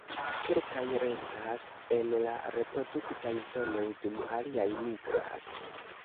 Kelkaj restas en la reproduktaj zonoj, dum aliaj migras.